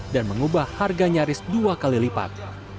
dan mengubah harga nyaris dua kali lipat